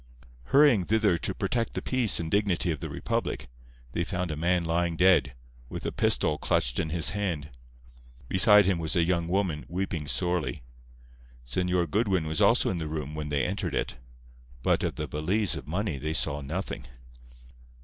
Hurrying thither to protect the peace and dignity of the republic, they found a man lying dead, with a pistol clutched in his hand. Beside him was a young woman, weeping sorely. Señor Goodwin was also in the room when they entered it. But of the valise of money they saw nothing.